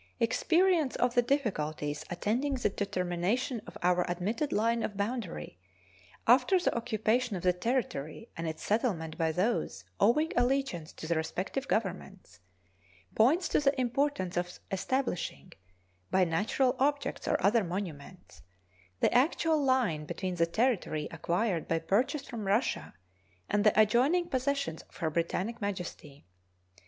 Experience of the difficulties attending the determination of our admitted line of boundary, after the occupation of the territory and its settlement by those owing allegiance to the respective Governments, points to the importance of establishing, by natural objects or other monuments, the actual line between the territory acquired by purchase from Russia and the adjoining possessions of Her Britannic Majesty.